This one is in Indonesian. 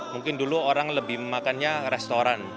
mungkin dulu orang lebih makannya restoran